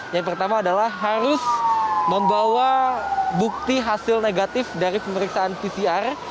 yang pertama adalah harus membawa bukti hasil negatif dari pemeriksaan pcr